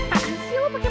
mending gue ga usah gaul